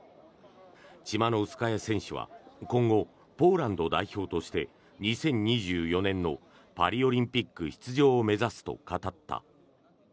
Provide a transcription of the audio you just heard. チマノウスカヤ選手は今後ポーランド代表として２０２４年のパリオリンピック出場を目指すと語った。